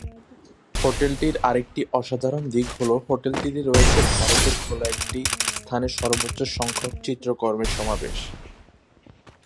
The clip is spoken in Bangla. হোটেলটির আরেকটি অসাধারন দিক হলো হোটেলটিতে রয়েছে ভারতে খোলা একটি স্থানে সর্বোচ্চ সংখ্যাক চিত্রকর্মের সমাবেশ।